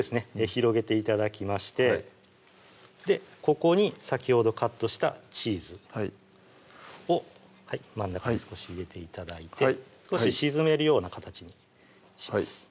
広げて頂きましてここに先ほどカットしたチーズを真ん中に少し入れて頂いて少し沈めるような形にします